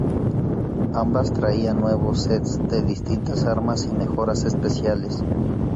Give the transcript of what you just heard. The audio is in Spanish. Ambas traían nuevos sets de distintas armas y mejoras especiales.